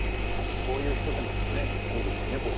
こういうひと手間もねいいですよね